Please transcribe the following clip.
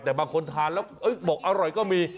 แต่บางคนทานแล้วบอกอร่อยก็มี